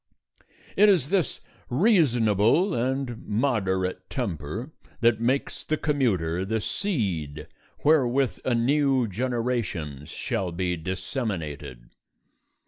It is this reasonable and moderate temper that makes the commuter the seed wherewith a new generation shall be disseminated.